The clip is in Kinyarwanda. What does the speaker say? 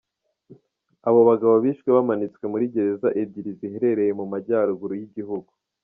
Abo bagabo bishwe bamanitswe muri gereza ebyiri ziherereye mu majyaruguru y'igihugu.